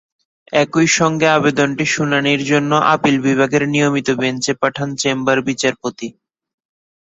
একই সঙ্গে আবেদনটি শুনানির জন্য আপিল বিভাগের নিয়মিত বেঞ্চে পাঠান চেম্বার বিচারপতি।